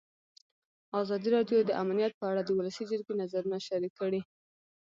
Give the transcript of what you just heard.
ازادي راډیو د امنیت په اړه د ولسي جرګې نظرونه شریک کړي.